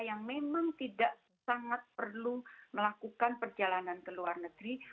yang memang tidak sangat perlu melakukan perjalanan ke luar negeri